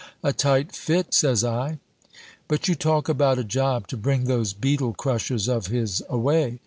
'A tight fit,' says I. But you talk about a job to bring those beetle crushers of his away!